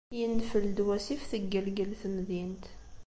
Yenfel-d wasif, teggelgel temdint.